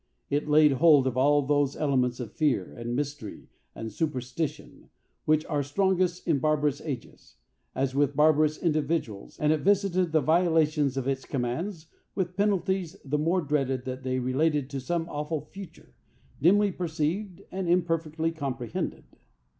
It laid hold of all those elements of fear, and mystery, and superstition, which are strongest in barbarous ages, as with barbarous individuals, and it visited the violations of its commands with penalties the more dreaded that they related to some awful future, dimly perceived and imperfectly comprehended.